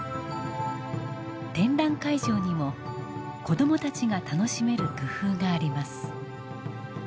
展覧会場にも子供たちが楽しめる工夫があります。